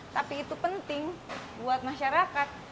tapi itu penting buat masyarakat